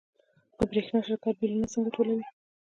د برښنا شرکت بیلونه څنګه ټولوي؟